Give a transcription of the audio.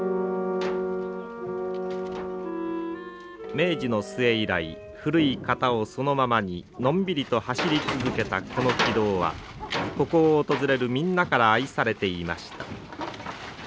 明治の末以来古い型をそのままにのんびりと走り続けたこの軌道はここを訪れるみんなから愛されていました。